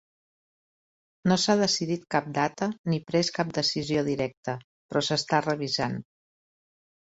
No s'ha decidit cap data ni pres cap decisió directa, però s'està revisant.